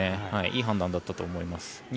いい判断だったと思いますね。